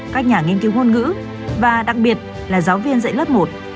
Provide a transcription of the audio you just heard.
các nhà nghiên cứu ngôn ngữ và đặc biệt là giáo viên dạy lớp một